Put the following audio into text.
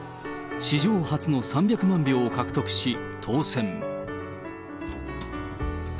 史上初の３００万票を獲得し当選。